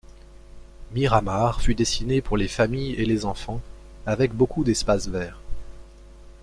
Miramar fut dessinée pour les familles et les enfants, avec beaucoup d'espaces verts.